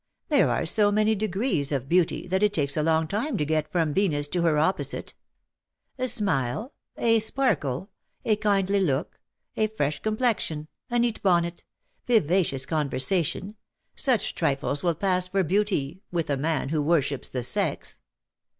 There are so many degrees of beauty that it takes a long time to get from Venus to her opposite. A smile — a sparkle — a kindly look — a fresh complexion — a neat bonnet — vivacious conversation — such trifles will pass for beauty with "time turns the old days to derision." 157 a Dian who worships the sex.